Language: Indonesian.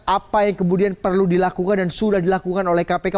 apa yang kemudian perlu dilakukan dan sudah dilakukan oleh kpk